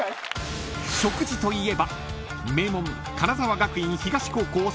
［食事といえば］